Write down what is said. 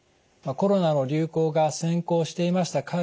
コロナの流行が先行していました